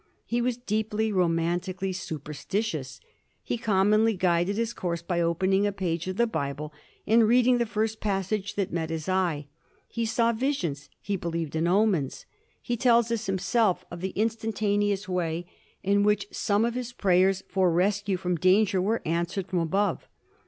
He was deeply, romantically superstitious. He commonly guided his course by opening a page of the Bible and reading the first passage that met his eye. He saw visions; he believed in omens. He tells us himself of the instantaneous way in which some of his prayers for rescue from danger were answered from above.